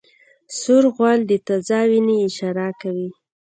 سور غول د تازه وینې اشاره کوي.